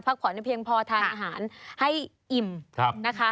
ผ่อนให้เพียงพอทานอาหารให้อิ่มนะคะ